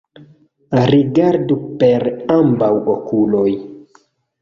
Rigardu per ambaŭ okuloj!